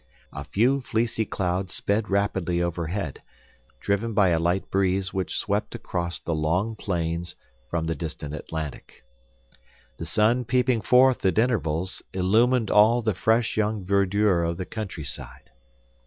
A few fleecy clouds sped rapidly overhead, driven by a light breeze which swept across the long plains, from the distant Atlantic. The sun peeping forth at intervals, illumined all the fresh young verdure of the countryside.